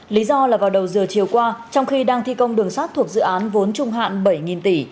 lý do là vào đầu giờ chiều qua trong khi đang thi công đường sát thuộc dự án vốn trung hạn bảy tỷ